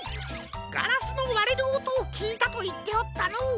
ガラスのわれるおとをきいたといっておったのう。